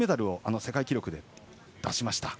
世界記録で出しました。